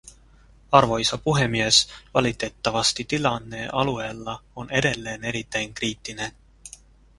Arvoisa puhemies, valitettavasti tilanne alueella on edelleen erittäin kriittinen.